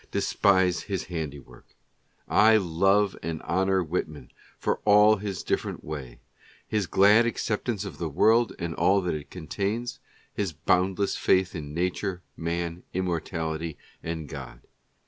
despise his handiwork. I love and honor Whitman for his different wa — his glad acceptance of the world and all that it contains — his boundless faith in N : Man. Immortality and God.